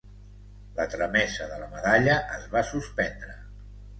La tramesa de la medalla es va suspendre.